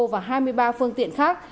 và hai mươi ba phương tiện khác